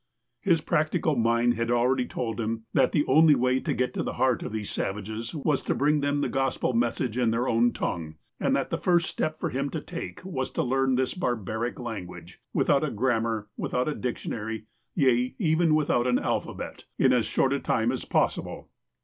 His practical mind had already told him that the only AT THE FORT 57 way to get to the lieart of these savages was to bring them the gospel message iu their own tongue, and that the first step for him to take was to learn this barbaric language, without a grammar, without a dictionary, yea, even without an alphabet, in as short a time as possible.